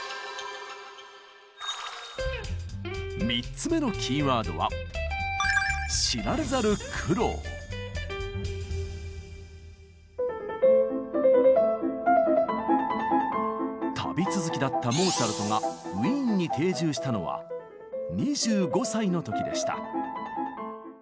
３つ目のキーワードは旅続きだったモーツァルトがウィーンに定住したのは２５歳の時でした。